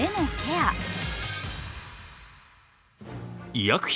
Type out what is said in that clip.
医薬品